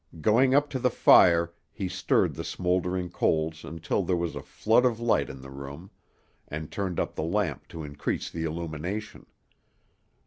Going up to the fire, he stirred the smouldering coals until there was a flood of light in the room, and turned up the lamp to increase the illumination.